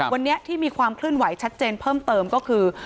วันนี้ที่มีความเคลื่อนไหวชัดเจนเพิ่มเติมก็คือ